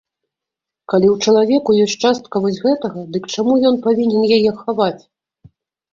Калі ў чалавеку ёсць частка вось гэтага, дык чаму ён павінен яе хаваць?